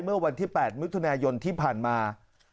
เมื่อวันที่๘มิถุนายนที่ผ่านมา